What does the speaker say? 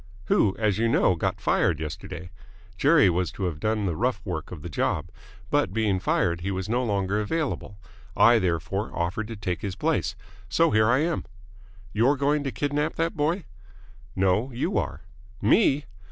"Who, as you know, got fired yesterday. Jerry was to have done the rough work of the job. But, being fired, he was no longer available. I, therefore, offered to take his place. So here I am." "You're going to kidnap that boy?" "No. You are." "Me!"